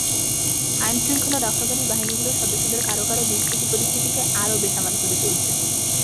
আইনশৃঙ্খলা রক্ষাকারী বাহিনীগুলোর সদস্যদের কারও কারও দুষ্কৃতি পরিস্থিতিকে আরও বেসামাল করে তুলছে।